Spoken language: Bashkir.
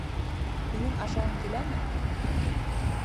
Һинең ашағың киләме?